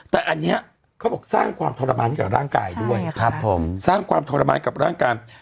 แต่อันนี้เขาบอกสร้างความทรมานกับร่างกายด้วยครับผมสร้างความทรมานกับร่างกาย